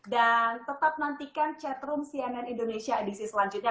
dan tetap nantikan chatroom cnn indonesia edisi selanjutnya